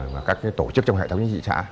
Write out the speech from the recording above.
và các tổ chức trong hệ thống chính trị xã